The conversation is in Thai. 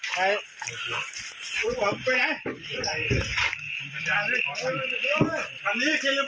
จิ๊กเกินไปดี